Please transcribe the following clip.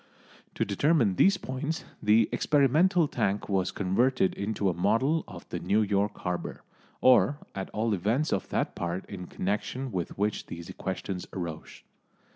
To determine these points the experimental tank was converted into a model of the New York Harbour, or at all events of that part in connection with which these questions arose.